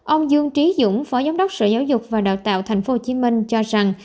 ông dương trí dũng phó giám đốc sở giáo dục và đào tạo tp hcm cho rằng